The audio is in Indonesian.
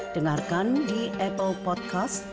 dengarkan di apple podcast